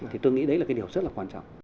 thì tôi nghĩ đấy là cái điều rất là quan trọng